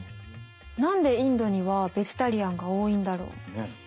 何でインドにはベジタリアンが多いんだろう？ねえ。